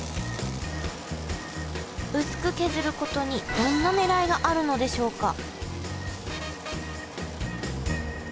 薄く削ることにどんなねらいがあるのでしょうか？